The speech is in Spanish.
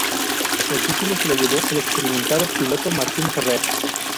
El título se lo llevó el experimentado piloto, Martín Ferrer.